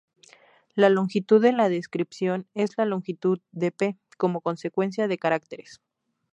La longitud de la descripción es la longitud de "P" como secuencia de caracteres.